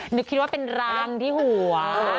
นึกคิดว่าเป็นรังที่หัว